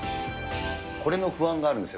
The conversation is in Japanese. これの不安があるんですよ。